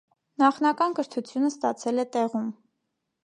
Նախնական կրթությունն ստացել է տեղում։